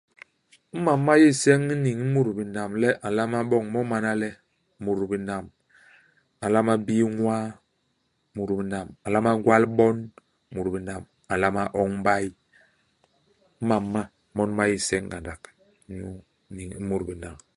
Iman ma yé nseñ i niñ i mut binam le mut a nlama boñ mo mana le, mut binam a nlama bii ñwaa. Mut binam a nlama gwal bon. Mut binam a nlama oñ mbay. Imam ma, mon ma yé nseñ ngandak inyu niñ i mut binam.